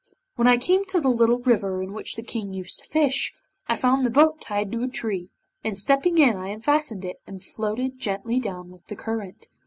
When I came to the little river in which the King used to fish, I found the boat tied to a tree, and stepping in I unfastened it, and floated gently down with the current.